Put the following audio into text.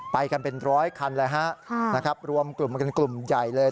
ไปกันเป็น๑๐๐คันรวมกลุ่มกันกลุ่มใหญ่เลย